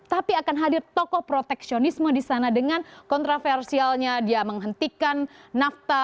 tapi akan hadir tokoh proteksionisme di sana dengan kontroversialnya dia menghentikan nafta